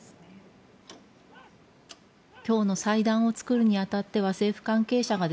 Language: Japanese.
今日の祭壇を作るに当たっては政府関係者が